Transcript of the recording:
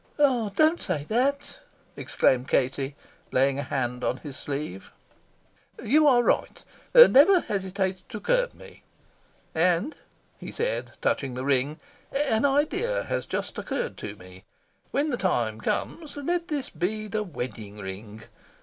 '" "Ah, don't say that!" exclaimed Katie, laying a hand on his sleeve. "You are right. Never hesitate to curb me. And," he said, touching the ring, "an idea has just occurred to me. When the time comes, let this be the wedding ring.